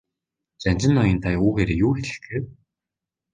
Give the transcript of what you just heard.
Жанжин ноён та үүгээрээ юу хэлэх гээв?